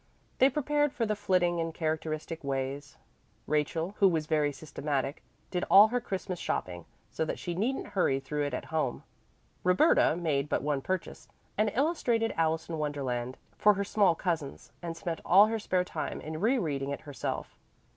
They prepared for the flitting in characteristic ways. Rachel, who was very systematic, did all her Christmas shopping, so that she needn't hurry through it at home. Roberta made but one purchase, an illustrated "Alice in Wonderland," for her small cousins, and spent all her spare time in re reading it herself.